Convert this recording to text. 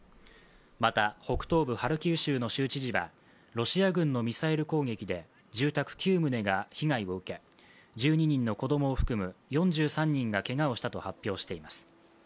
また北東部ハルキウ州の州知事は、ロシア軍のミサイル攻撃で住宅９棟が被害を受け１２人の子供を含む４３人がけがをしたと発表しています。